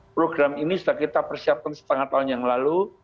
program ini sudah kita persiapkan setengah tahun yang lalu